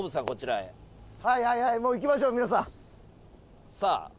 こちらへはいはいはいもういきましょうみのさんさあ